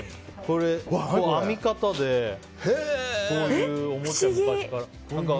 編み方でこういうおもちゃが昔から。